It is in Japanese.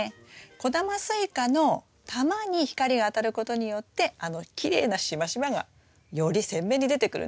小玉スイカの玉に光が当たることによってあのきれいなしましまがより鮮明に出てくるんです。